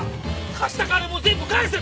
貸した金も全部返せ